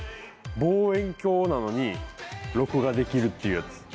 望遠鏡なのに録画できるっていうやつ。